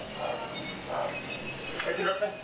โถ่เอ้ย